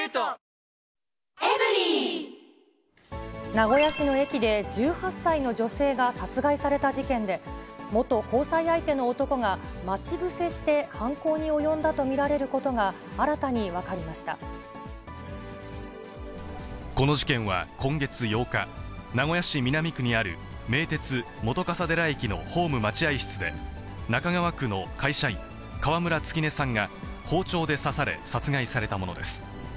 名古屋市の駅で、１８歳の女性が殺害された事件で、元交際相手の男が待ち伏せして犯行に及んだと見られることが、この事件は今月８日、名古屋市南区にある名鉄本笠寺駅のホーム待合室で、中川区の会社員、川村月音さんが包丁で刺され殺害されたものです。